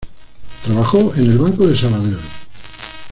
Trabajó en el Banco de Sabadell.